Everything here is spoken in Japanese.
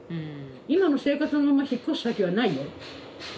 今の生活のまま引っ越す先はないよ。